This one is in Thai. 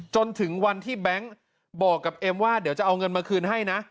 จนถึงวันที่แบงค์บอกกับเอ็มว่าเดี๋ยวจะเอาเงินมาคืนให้นะ